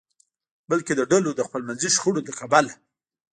بلکې د ډلو د خپلمنځي شخړو له کبله.